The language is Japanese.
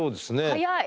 早い。